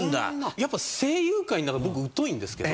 やっぱ声優界の中僕疎いんですけど。